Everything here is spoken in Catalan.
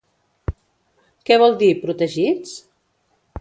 Què vol dir, protegits?